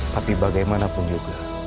tapi bagaimanapun juga